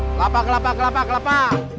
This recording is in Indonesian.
kelapa kelapa kelapa kelapa